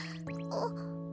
あっ。